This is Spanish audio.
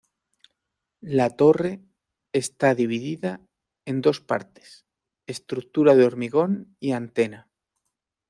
La torre está dividida en dos partes, estructura de hormigón y antena.